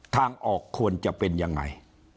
ทางออกควรจะเป็นยังไง